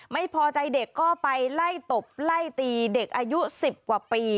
ไม่พอใจเด็กก็ไปไล่ตบไล่ตีเด็กอายุ๑๐กว่าปี